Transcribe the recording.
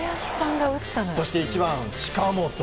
そして１番、近本。